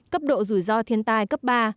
cấp độ rủi ro thiên tài cấp ba